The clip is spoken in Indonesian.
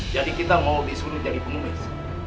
jadi kita mau disini jadi pengemis